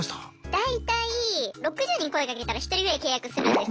大体６０人声かけたら１人ぐらい契約するんです。